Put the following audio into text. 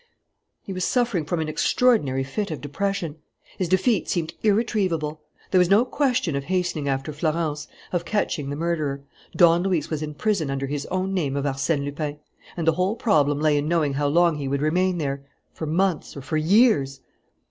He was suffering from an extraordinary fit of depression. His defeat seemed irretrievable. There was no question of hastening after Florence, of catching the murderer. Don Luis was in prison under his own name of Arsène Lupin; and the whole problem lay in knowing how long he would remain there, for months or for years!